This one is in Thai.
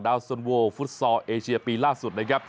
ดาวสนโวฟุตซอร์เอเชียปีล่าสุด